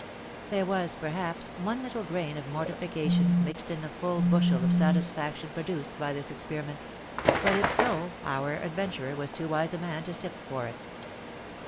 'there was, perhaps, one little grain of mortification, mixed in the full bushel of satisfaction produced by this experiment ; but if so, our adventurer was too wise a man to sift for it.